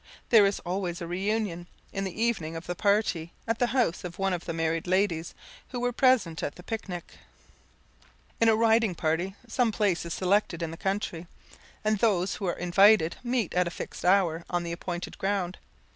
There is always a reunion, in the evening, of the party, at the house of one of the married ladies who were present at the picnic. In a riding party, some place is selected in the country, and those who are invited meet at a fixed hour on the appointed ground.